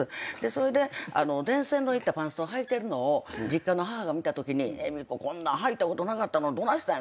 それで伝線のいったパンストはいているのを実家の母が見たときに「恵美子こんなんはいたことなかったのにどないしたんや」